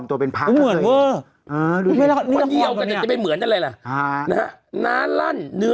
อะอ่า